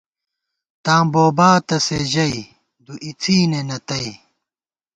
تاں بوباتہ سے ژَئی ، دُو اِڅِینے نہ تئ